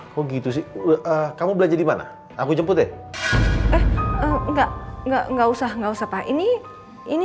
aku gitu sih kamu belanja di mana aku jemput ya eh enggak enggak enggak enggak usah enggak usah pak ini ini